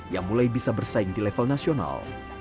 yang mulai bisa bersaing di level nasional